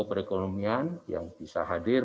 perekonomian yang bisa hadir